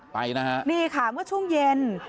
ไปนะฮะนี่ค่ะเมื่อช่วงเย็น